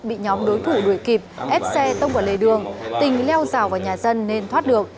bị nhóm đối thủ đuổi kịp ép xe tông vào lề đường tình leo rào vào nhà dân nên thoát được